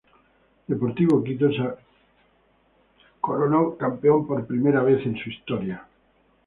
Deportivo Quito se coronó campeón por primera vez en su historia.